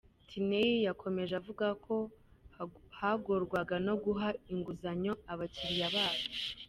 Tineyi yakomeje avuga ko bagorwaga no guha inguzanyo abakiriya babo.